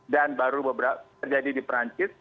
dan baru beberapa terjadi di perancis